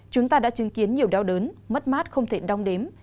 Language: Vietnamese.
chúng ta đã chứng kiến nhiều đau đớn mất mát không thể đong đếm